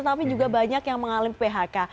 tapi juga banyak yang mengalami phk